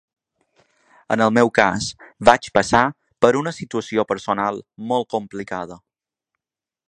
En el meu cas, vaig passar per una situació personal molt complicada.